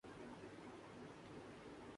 منی trail تو دور کی بات ہے۔